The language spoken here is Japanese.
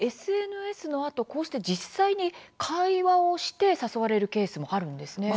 ＳＮＳのあとこうして実際に会話をして誘われるケースもあるんですね。